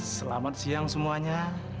selamat siang semuanya